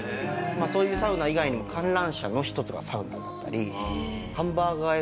まあそういうサウナ以外にも観覧車の一つがサウナだったり。